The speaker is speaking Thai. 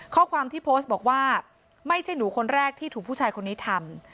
ข้อความที่โพสต์บอกว่าไม่ใช่หนูคนแรกที่ถูกผู้ชายคนนี้ทำ